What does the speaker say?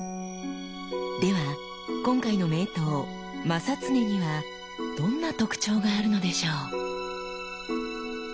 では今回の名刀正恒にはどんな特徴があるのでしょう？